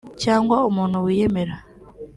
cyangwa umuntu wiyemera